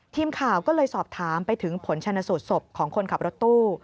ทีมข่าวก็เลยสอบถามไปถึงผลชนสูตรศพของคนขับรถตู้